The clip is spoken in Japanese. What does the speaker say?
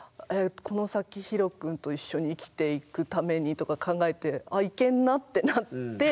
この先ひろ君と一緒に生きていくためにとか考えて「あっいけんな」ってなって。